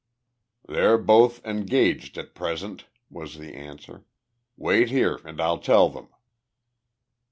"They're both engaged at present," was the answer. "Wait here, and I'll tell them."